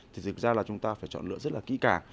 thì dịch ra là chúng ta phải chọn lựa rất là kỹ cả